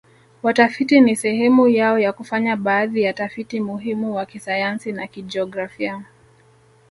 watafiti ni sehemu yao ya kufanya baadhi ya tafiti muhimu wa kisayansi na kijografia